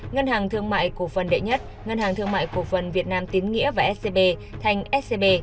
ngân hàng thương mại cổ phần đệ nhất ngân hàng thương mại cổ phần việt nam tín nghĩa và scb thành scb